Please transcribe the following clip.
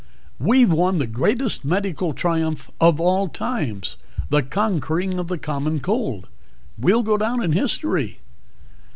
We've won the greatest medical triumph of all times the conquering of the Common Cold. We'll go down in history!"